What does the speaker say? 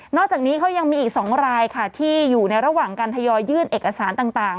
อกจากนี้เขายังมีอีก๒รายค่ะที่อยู่ในระหว่างการทยอยยื่นเอกสารต่าง